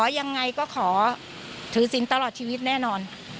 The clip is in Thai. อย่างไรก็ขอถือสินตลอดชีวิตแน่นอน